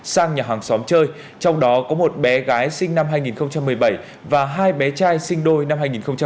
sang nhà hàng xóm chơi trong đó có một bé gái sinh năm hai nghìn một mươi bảy và hai bé trai sinh đôi năm hai nghìn một mươi bảy